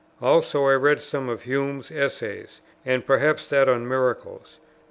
Also, I read some of Hume's Essays; and perhaps that on Miracles.